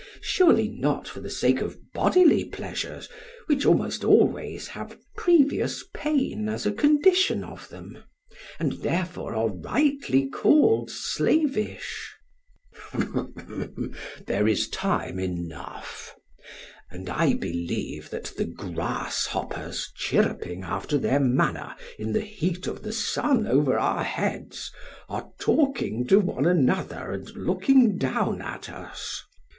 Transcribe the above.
Surely not for the sake of bodily pleasures, which almost always have previous pain as a condition of them, and therefore are rightly called slavish. SOCRATES: There is time enough. And I believe that the grasshoppers chirruping after their manner in the heat of the sun over our heads are talking to one another and looking down at us.